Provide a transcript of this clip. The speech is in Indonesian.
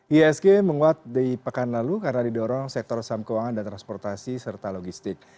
isg menguat di pekan lalu karena didorong sektor saham keuangan dan transportasi serta logistik